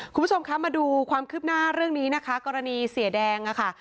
คุณผู้ชมคะมาดูความคืบหน้าเรื่องนี้นะคะกรณีเสียแดงค่ะ